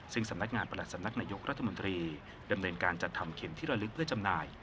ซึ่งสำนักงานประหลัดสำนักนายกรัฐมนตรีดำเนินการจัดทำเข็มที่ระลึกเพื่อจำหน่าย